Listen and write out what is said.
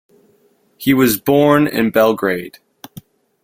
He was born in Belgrade.